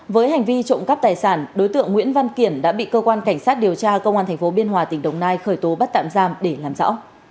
với hành vi trộm cắp tài sản đối tượng nguyễn văn kiển đã bị cơ quan cảnh sát điều tra công an tp biên hòa tỉnh đồng nai khởi tố bắt tạm giam để làm rõ